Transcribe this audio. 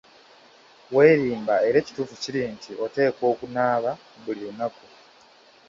Weerimba era ekituufu kiri nti oteekwa okunaaba buli lunaku.